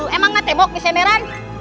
emang gak tembok bisa meran